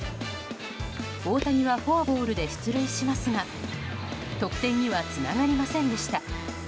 大谷はフォアボールで出塁しますが得点にはつながりませんでした。